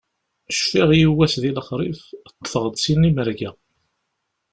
Cfiɣ yiwwas di lexrif, ṭṭfeɣ-d sin imerga.